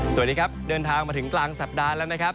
สวัสดีครับเดินทางมาถึงกลางสัปดาห์แล้วนะครับ